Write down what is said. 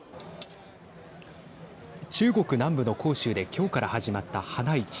中国南部の広州で今日から始まった花市。